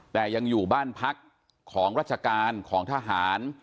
แต่ยังอยู่บ้านพักของราชการของทหาร